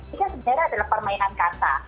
ini kan sebenarnya adalah permainan kata